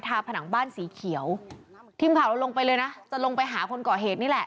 ผนังบ้านสีเขียวทีมข่าวเราลงไปเลยนะจะลงไปหาคนก่อเหตุนี่แหละ